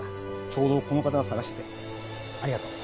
ちょうどこの型探しててありがとう。